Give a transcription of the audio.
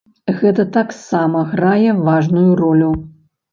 Гэта таксама грае важную ролю.